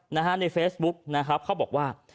ในเฟซบุ๊กเขาบอกว่า